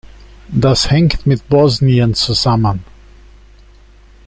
Das hängt mit Bosnien zusammen.